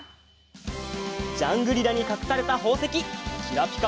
ジャングリラにかくされたほうせききらぴか